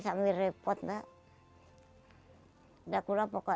saya kangen pak karena anak putu ini sangat repot pak